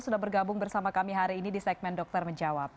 sudah bergabung bersama kami hari ini di segmen dokter menjawab